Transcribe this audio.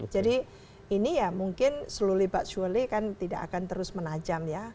jadi ini ya mungkin slowly but surely kan tidak akan terus menajam ya